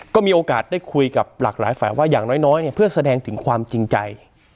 ก็มีโอกาสได้คุยกับหลากหลายฝ่ายว่าอย่างน้อยเนี่ยเพื่อแสดงถึงความจริงใจ